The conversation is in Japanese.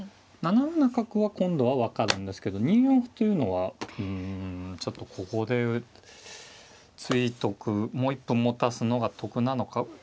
７七角は今度は分かるんですけど２四歩というのはうんちょっとここで突いとくもう一歩持たすのが得なのか。